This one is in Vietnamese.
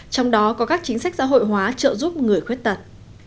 trong đó có các chính sách xã hội hóa trợ giúp người khuyết tật